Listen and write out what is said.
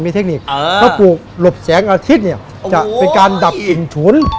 มีเทคนิคถ้าปลูกหลบแสงอาทิตย์เนี่ยจะเป็นการดับอิ่งฉุน